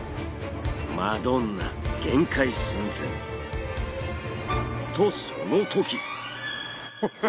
マドンナ限界寸前。とそのとき！